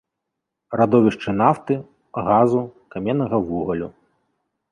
Радовішчы нафты, газу, каменнага вугалю.